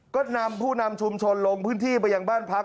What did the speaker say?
ก็นำผู้นำชุมชนลงพื้นที่ไปยังบ้านพัก